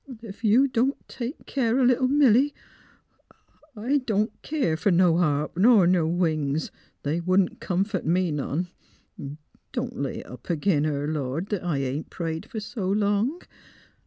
... Ef you don't take keer o' little Milly, I — I don't keer fer no harp, ner no wings. ... They wouldn't comfort me none. ... Don't lay it up ag 'in her, Lord, that I ain't prayed fer s' long.